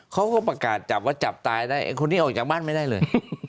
เขาก็ประกาศจับว่าจับตายได้ไอ้คนนี้ออกจากบ้านไม่ได้เลย